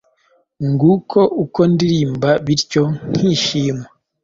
Nguko uko ndirimba bityo nkishima